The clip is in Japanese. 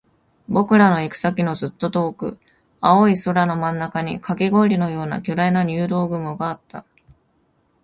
僕らの行く先のずっと遠く、青い空の真ん中にカキ氷のような巨大な入道雲があった